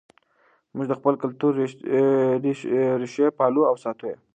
موږ د خپل کلتور ریښې پالو او ساتو یې.